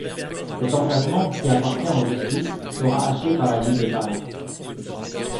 Cet emplacement qui appartient aux hospices sera acheté par la ville de Paris.